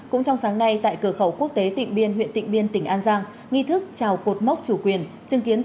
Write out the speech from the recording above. cũng trong sáng nay tại cửa khẩu quốc tế tịnh biên huyện tịnh biên tỉnh an giang